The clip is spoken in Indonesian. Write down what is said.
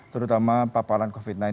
terutama paparan covid sembilan belas